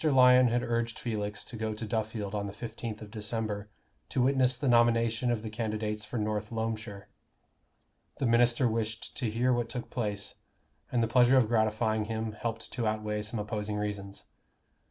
Lyon had urged Felix to go to Duffield on the fifteenth of December to witness the nomination of the candidates for North Loamshire. The minister wished to hear what took place; and the pleasure of gratifying him helped to outweigh some opposing reasons.